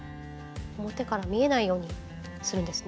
表から見えないようにするんですね